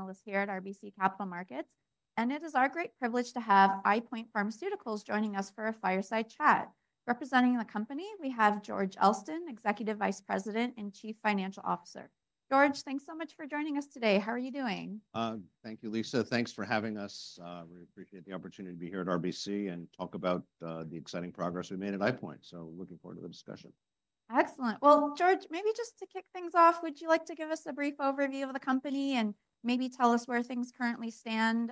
Panelist here at RBC Capital Markets, and it is our great privilege to have EyePoint Pharmaceuticals joining us for a fireside chat. Representing the company, we have George Elston, Executive Vice President and Chief Financial Officer. George, thanks so much for joining us today. How are you doing? Thank you, Lisa. Thanks for having us. We appreciate the opportunity to be here at RBC and talk about the exciting progress we made at EyePoint. We are looking forward to the discussion. Excellent. George, maybe just to kick things off, would you like to give us a brief overview of the company and maybe tell us where things currently stand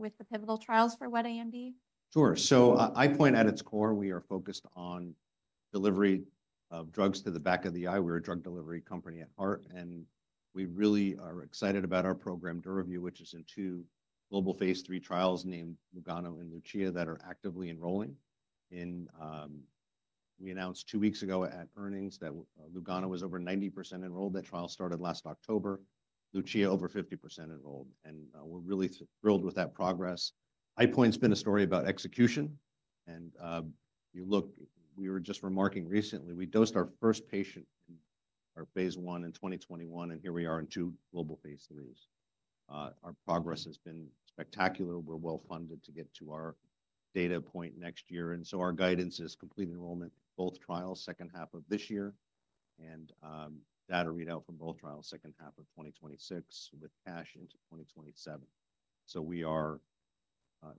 with the pivotal trials for wet AMD? Sure. EyePoint, at its core, we are focused on delivery of drugs to the back of the eye. We're a drug delivery company at heart, and we really are excited about our program, Duravyu, which is in two global phase III trials named LUGANO and LUCIA that are actively enrolling. We announced two weeks ago at earnings that LUGANO was over 90% enrolled. That trial started last October. LUCIA, over 50% enrolled. We're really thrilled with that progress. EyePoint's been a story about execution. We were just remarking recently, we dosed our first patient in our phase I in 2021, and here we are in two global phase IIIs. Our progress has been spectacular. We're well funded to get to our data point next year. Our guidance is complete enrollment in both trials second half of this year and data readout from both trials second half of 2026 with cash into 2027. We are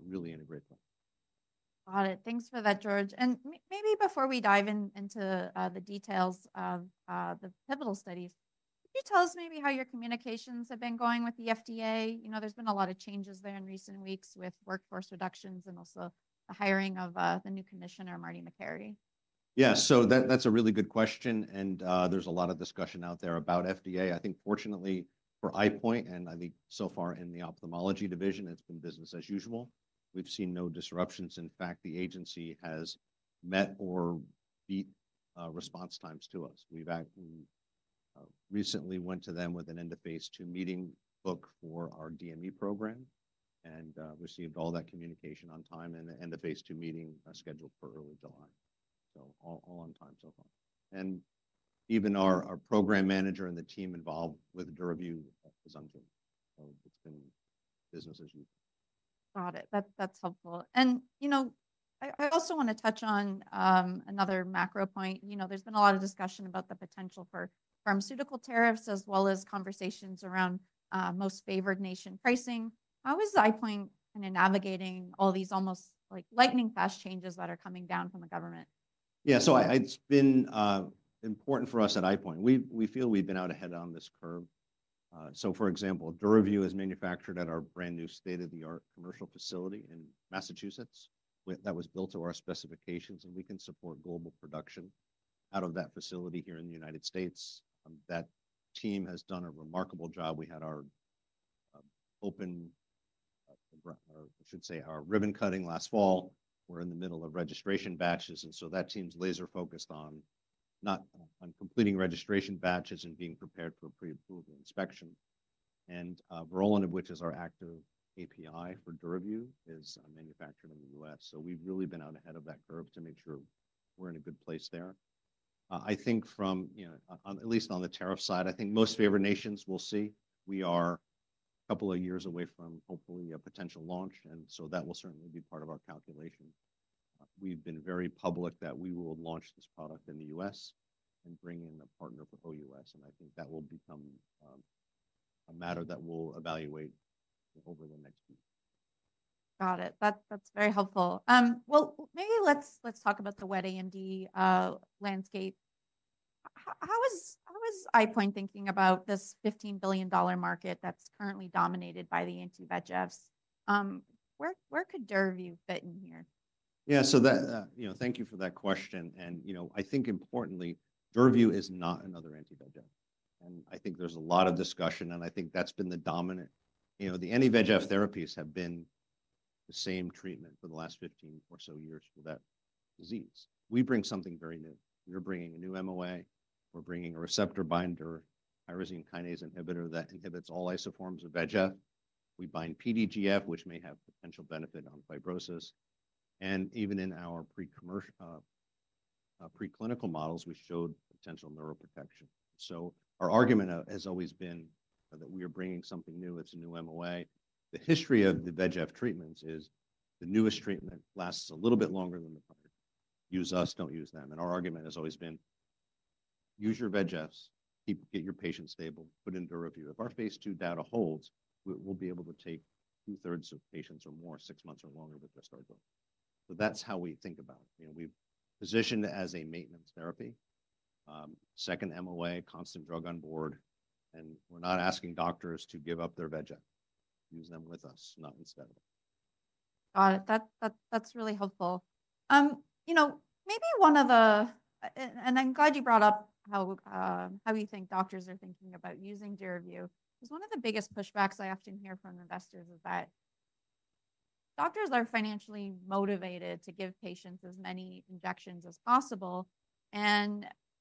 really in a great place. Got it. Thanks for that, George. Maybe before we dive into the details of the pivotal studies, could you tell us maybe how your communications have been going with the FDA? You know, there's been a lot of changes there in recent weeks with workforce reductions and also the hiring of the new commissioner, Marty Makary. Yeah, so that's a really good question. There's a lot of discussion out there about FDA. I think, fortunately for EyePoint, and I think so far in the ophthalmology division, it's been business as usual. We've seen no disruptions. In fact, the agency has met or beat response times to us. We recently went to them with an end of phase II meeting book for our DME program and received all that communication on time and the end of phase II meeting scheduled for early July. All on time so far. Even our program manager and the team involved with DURAVYU is on tour. It's been business as usual. Got it. That is helpful. You know, I also want to touch on another macro point. You know, there has been a lot of discussion about the potential for pharmaceutical tariffs as well as conversations around most favored nation pricing. How is EyePoint kind of navigating all these almost like lightning-fast changes that are coming down from the government? Yeah, so it's been important for us at EyePoint. We feel we've been out ahead on this curve. For example, Duravyu is manufactured at our brand new state-of-the-art commercial facility in Massachusetts that was built to our specifications, and we can support global production out of that facility here in the United States. That team has done a remarkable job. We had our open, or I should say our ribbon cutting last fall. We're in the middle of registration batches. That team's laser-focused on not on completing registration batches and being prepared for pre-approval inspection. Vorolanib, which is our active API for DURAVYU, is manufactured in the US. We've really been out ahead of that curve to make sure we're in a good place there. I think from, you know, at least on the tariff side, I think most favored nations will see we are a couple of years away from hopefully a potential launch. That will certainly be part of our calculation. We've been very public that we will launch this product in the U.S. and bring in a partner for OUS. I think that will become a matter that we'll evaluate over the next few years. Got it. That's very helpful. Maybe let's talk about the wet AMD landscape. How is EyePoint thinking about this $15 billion market that's currently dominated by the anti-VEGFs? Where could DURAVYU fit in here? Yeah, so that, you know, thank you for that question. You know, I think importantly, DURAVYU is not another anti-VEGF. I think there's a lot of discussion, and I think that's been the dominant, you know, the anti-VEGF therapies have been the same treatment for the last 15 or so years for that disease. We bring something very new. We're bringing a new MOA. We're bringing a receptor binder, tyrosine kinase inhibitor that inhibits all isoforms of VEGF. We bind PDGF, which may have potential benefit on fibrosis. Even in our preclinical models, we showed potential neuroprotection. Our argument has always been that we are bringing something new. It's a new MOA. The history of the VEGF treatments is the newest treatment lasts a little bit longer than the prior. Use us, don't use them. Our argument has always been, use your VEGFs, get your patients stable, put in DURAVYU. If our phase II data holds, we'll be able to take two-thirds of patients or more six months or longer with just our drug. That's how we think about it. You know, we've positioned it as a maintenance therapy, second MOA, constant drug on board. We're not asking doctors to give up their VEGF. Use them with us, not instead of us. Got it. That's really helpful. You know, maybe one of the, and I'm glad you brought up how you think doctors are thinking about using DURAVYU. One of the biggest pushbacks I often hear from investors is that doctors are financially motivated to give patients as many injections as possible.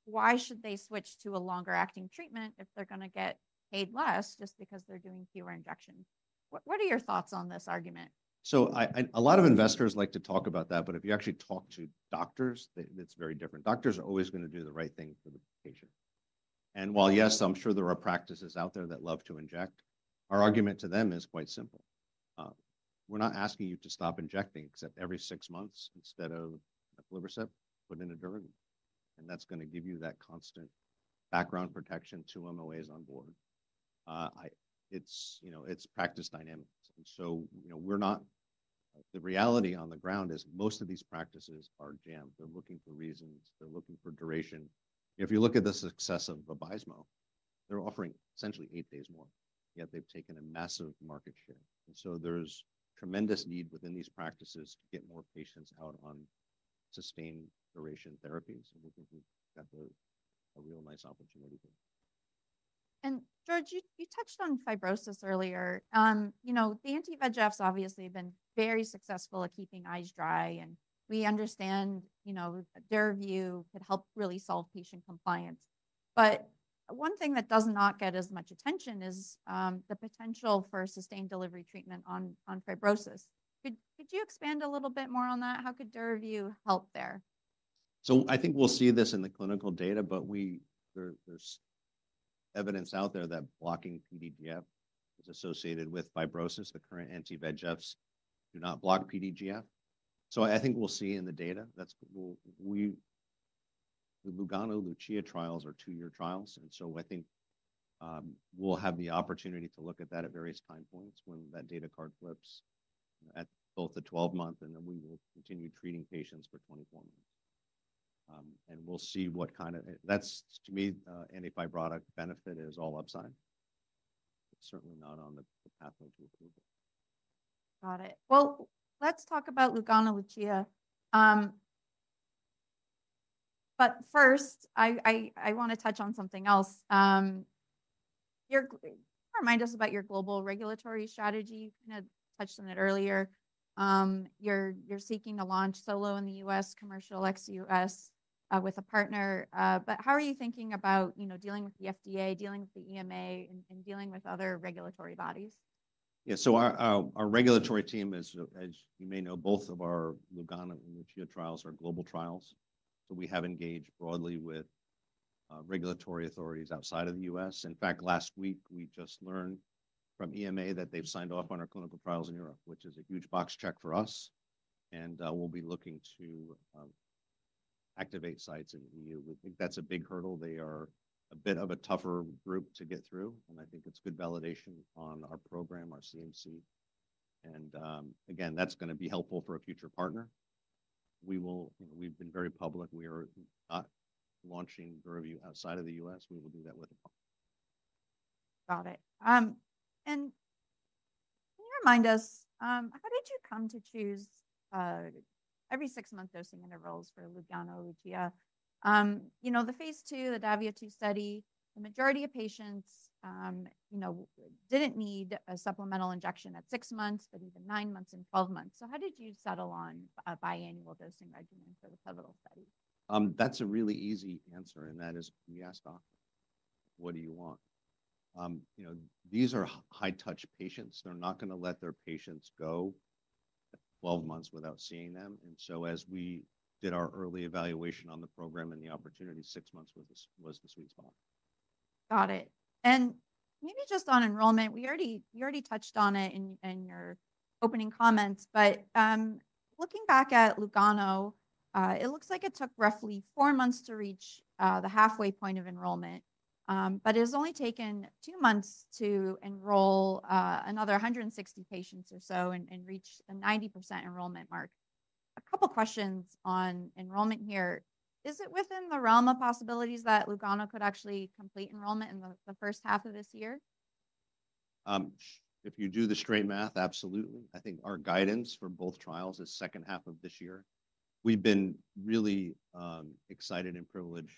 Why should they switch to a longer-acting treatment if they're going to get paid less just because they're doing fewer injections? What are your thoughts on this argument? A lot of investors like to talk about that, but if you actually talk to doctors, it's very different. Doctors are always going to do the right thing for the patient. While, yes, I'm sure there are practices out there that love to inject, our argument to them is quite simple. We're not asking you to stop injecting except every six months instead of epiretinalizer, put in a DURAVYU. That's going to give you that constant background protection, two MOAs on board. It's, you know, it's practice dynamics. You know, we're not, the reality on the ground is most of these practices are jammed. They're looking for reasons. They're looking for duration. If you look at the success of Vabysmo, they're offering essentially eight days more, yet they've taken a massive market share. There is tremendous need within these practices to get more patients out on sustained duration therapies. And we've got a real nice opportunity here. George, you touched on fibrosis earlier. You know, the anti-VEGFs obviously have been very successful at keeping eyes dry. And we understand, you know, DURAVYU could help really solve patient compliance. One thing that does not get as much attention is the potential for sustained delivery treatment on fibrosis. Could you expand a little bit more on that? How could DURAVYU help there? I think we'll see this in the clinical data, but there's evidence out there that blocking PDGF is associated with fibrosis. The current anti-VEGFs do not block PDGF. I think we'll see in the data. The LUGANO-LUCIA trials are two-year trials. I think we'll have the opportunity to look at that at various time points when that data card flips at both the 12-month and then we will continue treating patients for 24 months. We'll see what kind of, that's to me, anti-fibrotic benefit is all upside. Certainly not on the pathway to approval. Got it. Let's talk about LUGANO-LUCIA. First, I want to touch on something else. You remind us about your global regulatory strategy. You kind of touched on it earlier. You're seeking to launch solo in the U.S., commercial ex-U.S. with a partner. How are you thinking about, you know, dealing with the FDA, dealing with the EMA, and dealing with other regulatory bodies? Yeah, so our regulatory team is, as you may know, both of our LUGANO-LUCIA trials are global trials. We have engaged broadly with regulatory authorities outside of the U.S. In fact, last week, we just learned from EMA that they've signed off on our clinical trials in Europe, which is a huge box check for us. We'll be looking to activate sites in the EU. We think that's a big hurdle. They are a bit of a tougher group to get through. I think it's good validation on our program, our CMC. Again, that's going to be helpful for a future partner. We will, we've been very public. We are not launching DURAVYU outside of the U.S. We will do that with a partner. Got it. Can you remind us, how did you come to choose every six-month dosing intervals for LUGANO-LUCIA? You know, the phase II, the DAVIO 2 study, the majority of patients, you know, did not need a supplemental injection at six months, but even nine months and 12 months. How did you settle on a biannual dosing regimen for the pivotal study? That's a really easy answer. That is, we asked often, what do you want? You know, these are high-touch patients. They're not going to let their patients go 12 months without seeing them. As we did our early evaluation on the program and the opportunity, six months was the sweet spot. Got it. Maybe just on enrollment, we already touched on it in your opening comments, but looking back at LUGANO, it looks like it took roughly four months to reach the halfway point of enrollment, but it has only taken two months to enroll another 160 patients or so and reach a 90% enrollment mark. A couple of questions on enrollment here. Is it within the realm of possibilities that LUGANO could actually complete enrollment in the first half of this year? If you do the straight math, absolutely. I think our guidance for both trials is second half of this year. We've been really excited and privileged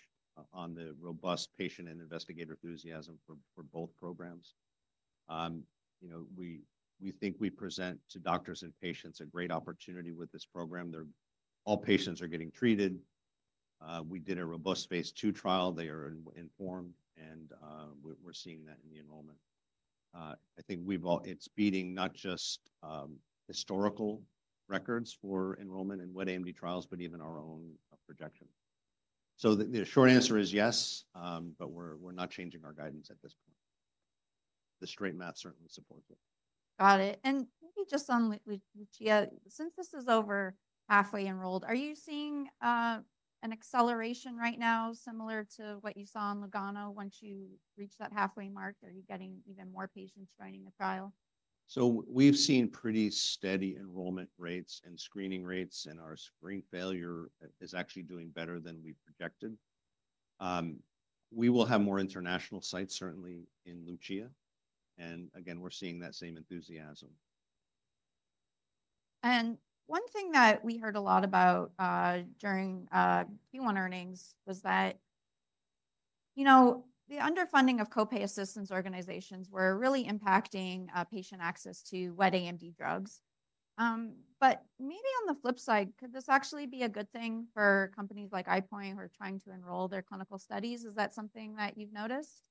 on the robust patient and investigator enthusiasm for both programs. You know, we think we present to doctors and patients a great opportunity with this program. All patients are getting treated. We did a robust phase II trial. They are informed, and we're seeing that in the enrollment. I think it's beating not just historical records for enrollment in wet AMD trials, but even our own projection. The short answer is yes, but we're not changing our guidance at this point. The straight math certainly supports it. Got it. Maybe just on LUCIA, since this is over halfway enrolled, are you seeing an acceleration right now similar to what you saw in LUGANO once you reach that halfway mark? Are you getting even more patients joining the trial? We've seen pretty steady enrollment rates and screening rates, and our screen failure is actually doing better than we projected. We will have more international sites certainly in LUCIA. Again, we're seeing that same enthusiasm. One thing that we heard a lot about during Q1 earnings was that, you know, the underfunding of co-pay assistance organizations were really impacting patient access to wet AMD drugs. Maybe on the flip side, could this actually be a good thing for companies like EyePoint who are trying to enroll their clinical studies? Is that something that you've noticed?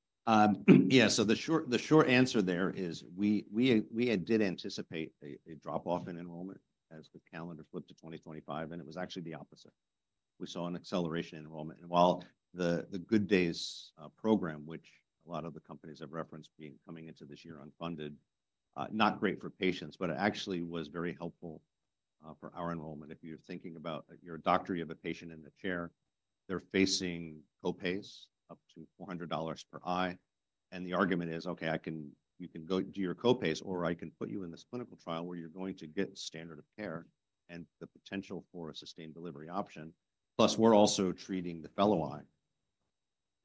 Yeah, so the short answer there is we did anticipate a drop-off in enrollment as the calendar flipped to 2025, and it was actually the opposite. We saw an acceleration in enrollment. While the Good Days program, which a lot of the companies have referenced being coming into this year unfunded, not great for patients, but it actually was very helpful for our enrollment. If you're thinking about your doctor, you have a patient in the chair, they're facing co-pays up to $400 per eye. The argument is, okay, you can go do your co-pays, or I can put you in this clinical trial where you're going to get standard of care and the potential for a sustained delivery option. Plus, we're also treating the fellow eye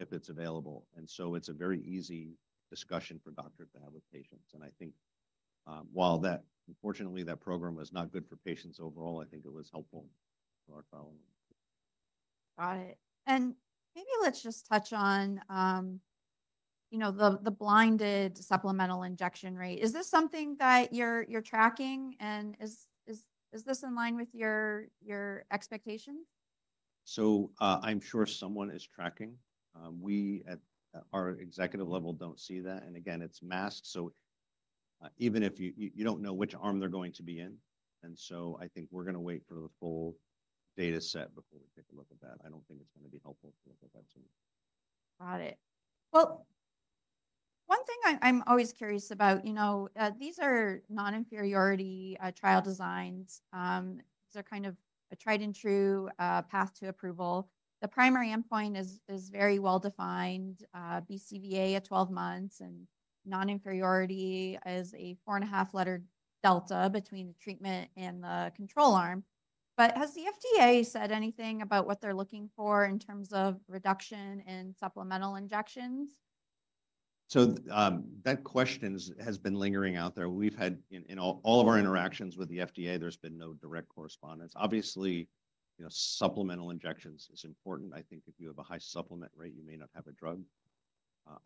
if it's available. It is a very easy discussion for doctors to have with patients. I think while that, unfortunately, that program was not good for patients overall, I think it was helpful for our following. Got it. Maybe let's just touch on, you know, the blinded supplemental injection rate. Is this something that you're tracking, and is this in line with your expectations? I'm sure someone is tracking. We at our executive level do not see that. Again, it is masked, so even if you do not know which arm they are going to be in. I think we are going to wait for the full data set before we take a look at that. I do not think it is going to be helpful to look at that soon. Got it. One thing I'm always curious about, you know, these are non-inferiority trial designs. These are kind of a tried and true path to approval. The primary endpoint is very well-defined, BCVA at 12 months, and non-inferiority is a four-and-a-half-letter delta between the treatment and the control arm. Has the FDA said anything about what they're looking for in terms of reduction in supplemental injections? That question has been lingering out there. We've had, in all of our interactions with the FDA, there's been no direct correspondence. Obviously, you know, supplemental injections is important. I think if you have a high supplement rate, you may not have a drug.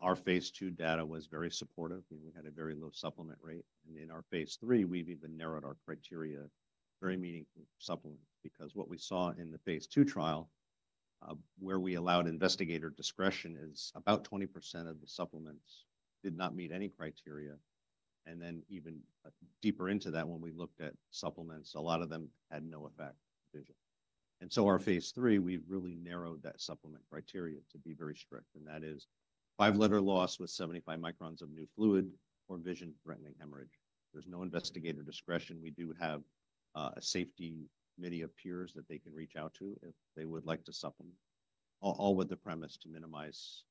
Our phase II data was very supportive. We had a very low supplement rate. In our phase III, we've even narrowed our criteria very meaningfully for supplements because what we saw in the phase II trial, where we allowed investigator discretion, is about 20% of the supplements did not meet any criteria. Even deeper into that, when we looked at supplements, a lot of them had no effect on vision. In our phase III, we've really narrowed that supplement criteria to be very strict. That is five-letter loss with 75 microns of new fluid or vision-threatening hemorrhage. There's no investigator discretion. We do have a safety committee of peers that they can reach out to if they would like to supplement, all with the premise to minimize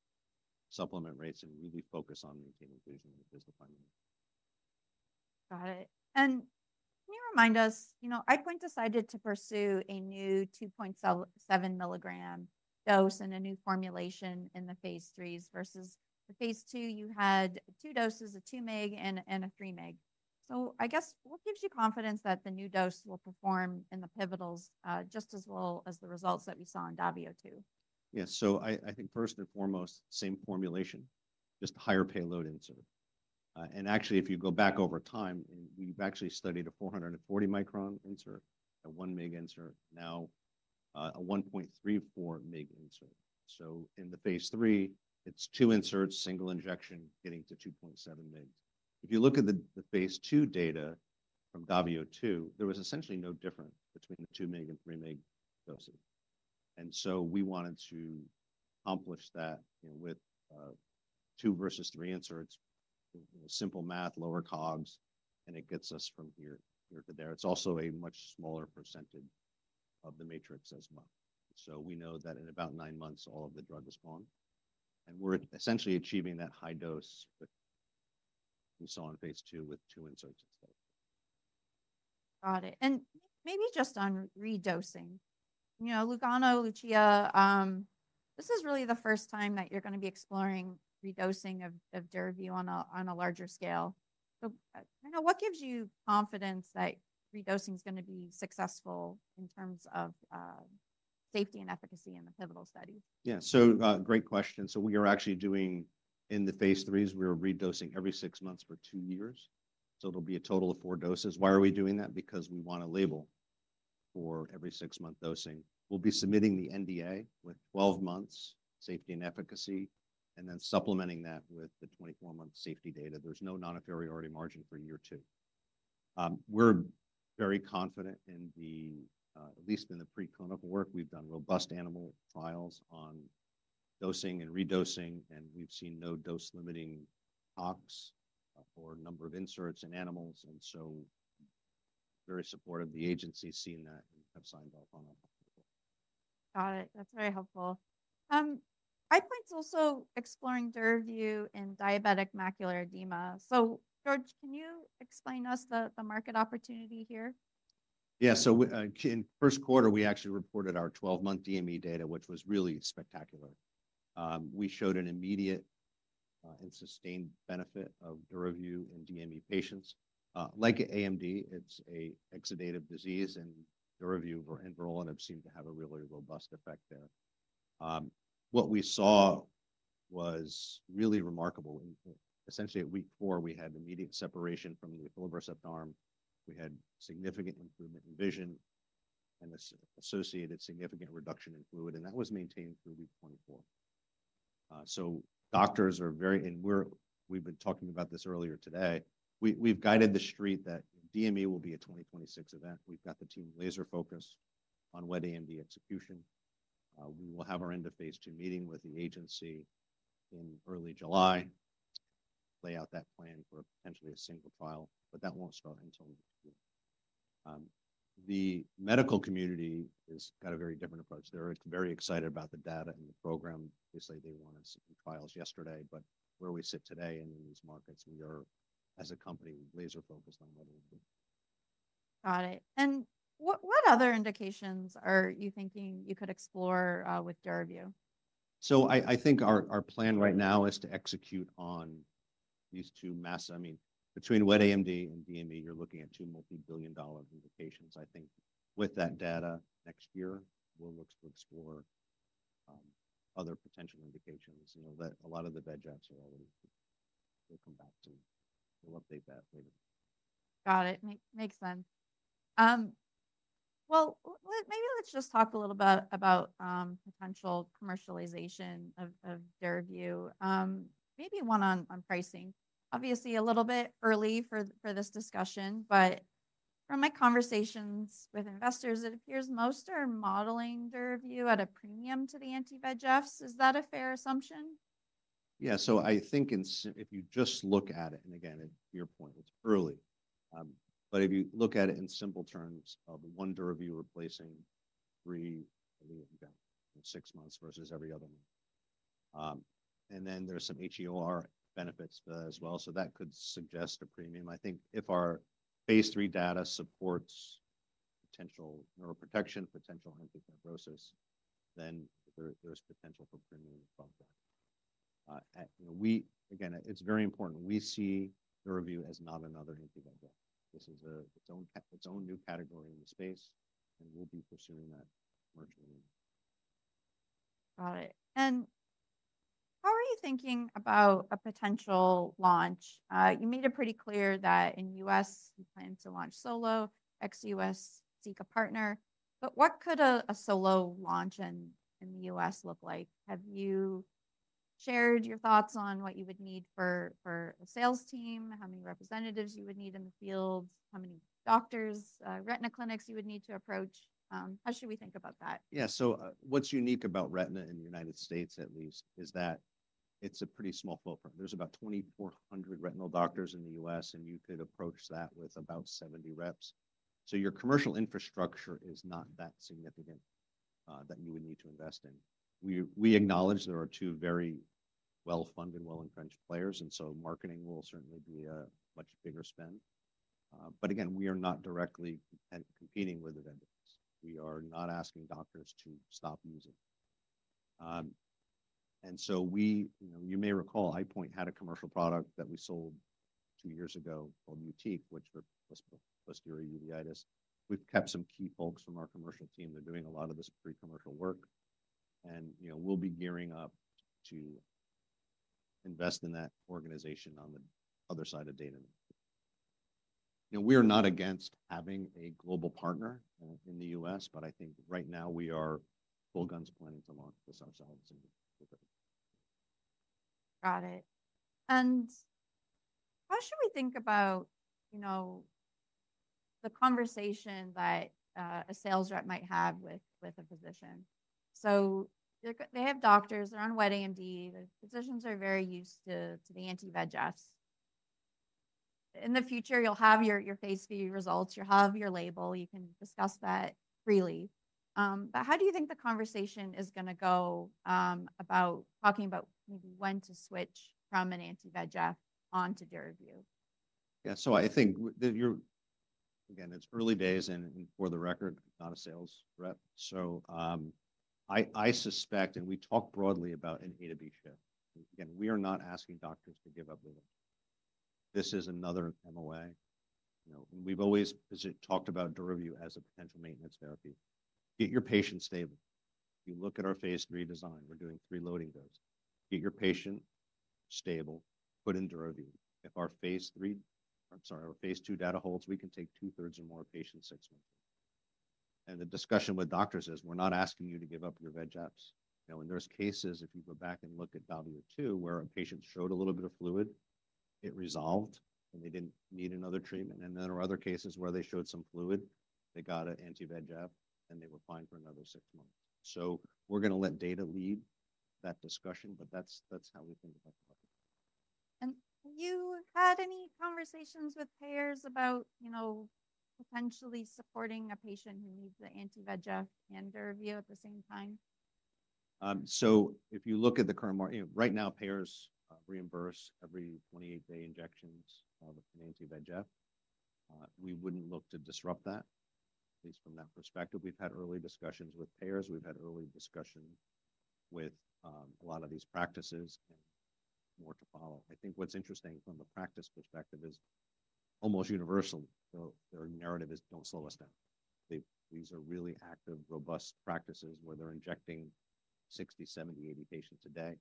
supplement rates and really focus on maintaining vision and visual function. Got it. Can you remind us, you know, EyePoint decided to pursue a new 2.7 mg dose and a new formulation in the phase IIIs versus the phase II, you had two doses, a 2 mg and a 3 mg. I guess what gives you confidence that the new dose will perform in the pivotals just as well as the results that we saw in DAVIO 2? Yeah, so I think first and foremost, same formulation, just a higher payload insert. Actually, if you go back over time, we've actually studied a 440 micron insert, a one-meg insert, now a 1.34 mg insert. In the phase III, it's two inserts, single injection, getting to 2.7 mg. If you look at the phase II data from DAVIO 2, there was essentially no difference between the 2 mg and 3 mg doses. We wanted to accomplish that with two versus three inserts, simple math, lower COGS, and it gets us from here to there. It's also a much smaller percentage of the matrix as well. We know that in about nine months, all of the drug is gone. We're essentially achieving that high dose that we saw in phase II with two inserts. Got it. And maybe just on redosing, you know, LUGANO-LUCIA, this is really the first time that you're going to be exploring redosing of DURAVYU on a larger scale. So what gives you confidence that redosing is going to be successful in terms of safety and efficacy in the pivotal study? Yeah, so great question. We are actually doing, in the phase IIIs, we're redosing every six months for two years. It will be a total of four doses. Why are we doing that? Because we want a label for every six-month dosing. We'll be submitting the NDA with 12 months safety and efficacy, and then supplementing that with the 24-month safety data. There's no non-inferiority margin for year two. We're very confident in the, at least in the preclinical work, we've done robust animal trials on dosing and redosing, and we've seen no dose-limiting tox for a number of inserts in animals. Very supportive of the agency seeing that and have signed off on our protocol. Got it. That's very helpful. EyePoint's also exploring DURAVYU in diabetic macular edema. George, can you explain to us the market opportunity here? Yeah, so in first quarter, we actually reported our 12-month DME data, which was really spectacular. We showed an immediate and sustained benefit of DURAVYU in DME patients. Like AMD, it's an exudative disease, and DURAVYU and Vorolanib seem to have a really robust effect there. What we saw was really remarkable. Essentially, at week four, we had immediate separation from the equilibrious epitarm. We had significant improvement in vision and associated significant reduction in fluid, and that was maintained through week 24. Doctors are very, and we've been talking about this earlier today. We've guided the street that DME will be a 2026 event. We've got the team laser-focused on wet AMD execution. We will have our end of phase II meeting with the agency in early July, lay out that plan for potentially a single trial, but that won't start until next year. The medical community has got a very different approach. They're very excited about the data and the program. Obviously, they want to see trials yesterday, but where we sit today and in these markets, we are, as a company, laser-focused on wet AMD. Got it. What other indications are you thinking you could explore with DURAVYU? I think our plan right now is to execute on these two, I mean, between wet AMD and DME, you're looking at two multi-billion dollar indications. I think with that data next year, we'll look to explore other potential indications. You know, a lot of the bed jobs are already here. We'll come back to, we'll update that later. Got it. Makes sense. Maybe let's just talk a little bit about potential commercialization of DURAVYU, maybe one on pricing. Obviously, a little bit early for this discussion, but from my conversations with investors, it appears most are modeling DURAVYU at a premium to the anti-VEGFs. Is that a fair assumption? Yeah, so I think if you just look at it, and again, at your point, it's early. If you look at it in simple terms of one DURAVYU replacing three, we've got six months versus every other month. There are some HEOR benefits as well. That could suggest a premium. I think if our phase III data supports potential neuroprotection, potential anti-fibrosis, then there's potential for premium above that. Again, it's very important. We see DURAVYU as not another anti-VEGF. This is its own new category in the space, and we'll be pursuing that commercial. Got it. How are you thinking about a potential launch? You made it pretty clear that in the U.S., you plan to launch solo, ex-U.S., seek a partner. What could a solo launch in the U.S. look like? Have you shared your thoughts on what you would need for a sales team, how many representatives you would need in the field, how many doctors, retina clinics you would need to approach? How should we think about that? Yeah, so what's unique about retina in the United States, at least, is that it's a pretty small footprint. There's about 2,400 retinal doctors in the U.S., and you could approach that with about 70 reps. Your commercial infrastructure is not that significant that you would need to invest in. We acknowledge there are two very well-funded, well-entrenched players, and marketing will certainly be a much bigger spend. Again, we are not directly competing with the vendors. We are not asking doctors to stop using. You may recall, EyePoint had a commercial product that we sold two years ago called YUTIQ, which was posterior uveitis. We've kept some key folks from our commercial team. They're doing a lot of this pre-commercial work. You know, we'll be gearing up to invest in that organization on the other side of data network. You know, we are not against having a global partner in the U.S., but I think right now we are full guns planning to launch this ourselves. Got it. And how should we think about, you know, the conversation that a sales rep might have with a physician? So they have doctors, they're on wet AMD, the physicians are very used to the anti-VEGFs. In the future, you'll have your phase III results, you'll have your label, you can discuss that freely. But how do you think the conversation is going to go about talking about maybe when to switch from an anti-VEGF on to DURAVYU? Yeah, so I think that you're, again, it's early days and for the record, not a sales rep. I suspect, and we talk broadly about an A to B shift. Again, we are not asking doctors to give up living. This is another MOA. You know, we've always talked about DURAVYU as a potential maintenance therapy. Get your patient stable. You look at our phase III design, we're doing three loading doses. Get your patient stable, put in DURAVYU. If our phase III, I'm sorry, our phase II data holds, we can take two-thirds or more patients six months. The discussion with doctors is we're not asking you to give up your red Jeffs. You know, in those cases, if you go back and look at value two, where a patient showed a little bit of fluid, it resolved, and they didn't need another treatment. There are other cases where they showed some fluid, they got an anti-VEGF, and they were fine for another six months. We are going to let data lead that discussion, but that is how we think about the market. Have you had any conversations with payers about, you know, potentially supporting a patient who needs the anti-VEGF and DURAVYU at the same time? If you look at the current market, right now, payers reimburse every 28-day injections of an anti-VEGF. We wouldn't look to disrupt that, at least from that perspective. We've had early discussions with payers. We've had early discussions with a lot of these practices and more to follow. I think what's interesting from the practice perspective is almost universally, their narrative is, "Don't slow us down." These are really active, robust practices where they're injecting 60, 70, 80 patients a day.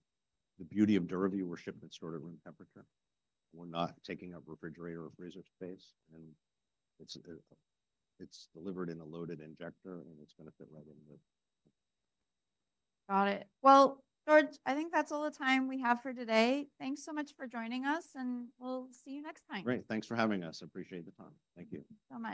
The beauty of DURAVYU, we're shipped and stored at room temperature. We're not taking up refrigerator or freezer space, and it's delivered in a loaded injector, and it's going to fit right in the. Got it. George, I think that's all the time we have for today. Thanks so much for joining us, and we'll see you next time. Great. Thanks for having us. I appreciate the time. Thank you. Bye-bye.